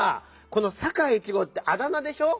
この「サカイ１ごう」ってあだ名でしょ？